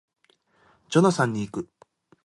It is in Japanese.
ジョナサンに行く